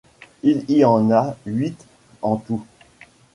Il y en a huit en tout.